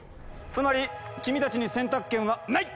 つまり君たちに選択権はない！